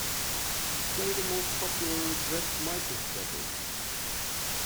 play the most popular Bret Michaels record